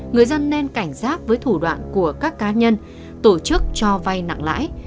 người dân nên cảnh giác với thủ đoạn của các cá nhân tổ chức cho vay nặng lãi